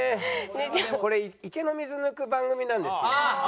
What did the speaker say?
これ池の水抜く番組なんですよ。